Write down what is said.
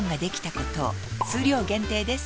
数量限定です